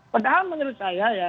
padahal menurut saya ya